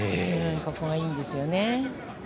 ここがいいんですよね。